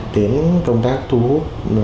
đến công tác thu hút